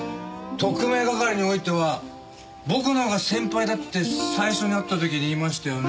特命係においては僕のほうが先輩だって最初に会った時に言いましたよね。